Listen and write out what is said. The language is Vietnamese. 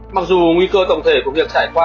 mặc dù nguy cơ tổng thể của việc trải qua